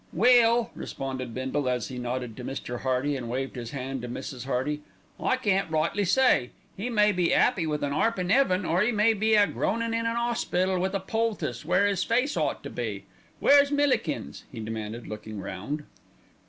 "Well," responded Bindle, as he nodded to Mr. Hearty and waved his hand to Mrs. Hearty, "I can't rightly say. 'E may be 'appy with an 'arp in 'eaven, or 'e may be a groanin' in an 'ospital with a poultice where 'is face ought to be. Where's Millikins?" he demanded, looking round.